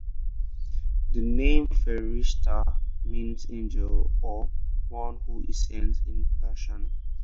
The name "Firishta" means "angel" or "one who is sent" in Persian.